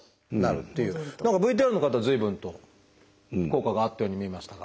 何かＶＴＲの方随分と効果があったように見えましたが。